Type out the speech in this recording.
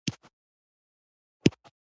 پير محمد کاروان هغه شاعر دى